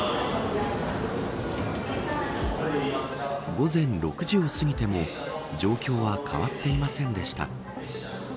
午前６時を過ぎても状況は変わっていませんでした。